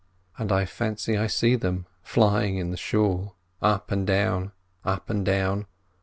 And I fancy I see them flying in the Shool, up and down, up and down.